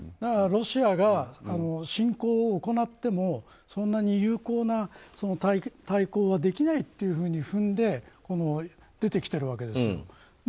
ロシアが侵攻を行ってもそんなに有効な対抗はできないというふうに踏んで出てきてるわけですよ。